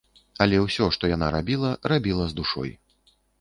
Але ўсё, што яна рабіла, рабіла з душой.